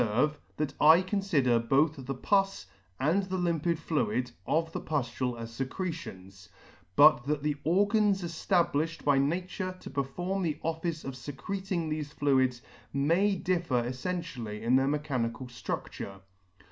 obferve, [ "4 ] obferve, that I confider both the pus and the limpid fluid of the pudule as fecretions, but that the organs eftablifhed by nature to perform the office of fecreting thefe fluids may differ effentially in their mechanical drudure.